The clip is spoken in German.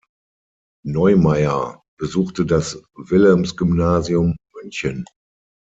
Neumayr besuchte das Wilhelmsgymnasium München.